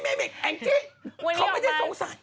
ก็ไม่่มแก้พูดว่าไปสงสัย